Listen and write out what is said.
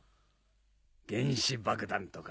原子爆弾とか。